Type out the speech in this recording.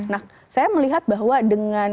nah saya melihat bahwa dengan